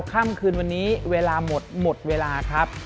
ค่ำคืนวันนี้เวลาหมดหมดเวลาครับ